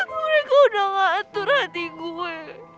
menurutku udah ngatur hati gue